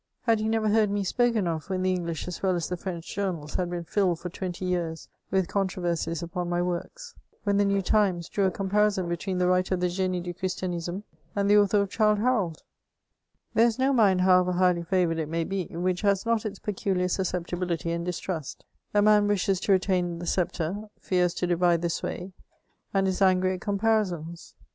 Had he never heard me spoken of, when the English as well as the French journals had been filled for twenty years with controversies upon my works ; when the New Times drew a comparison between the writer of the Genie du Christianisme and the author of Childe Harold f There is no mind, however highly favoured it may be, which has not its peculiar susceptibility and distrust ; a man wishes to retain the sceptre — fears to divide the sway — and is angry at comparisons.